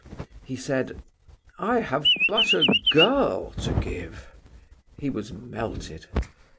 He said: "I have but a girl to give!" He was melted.